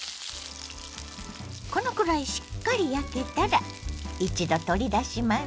このくらいしっかり焼けたら一度取り出します。